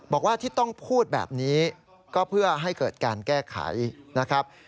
บอกว่าที่ต้องพูดแบบนี้ก็เพื่อให้เกิดการแก้ไขนะครับ